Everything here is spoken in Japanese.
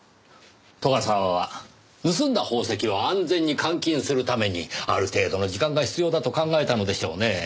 斗ヶ沢は盗んだ宝石を安全に換金するためにある程度の時間が必要だと考えたのでしょうねぇ。